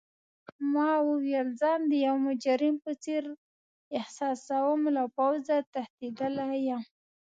ما وویل: ځان د یو مجرم په څېر احساسوم، له پوځه تښتیدلی یم.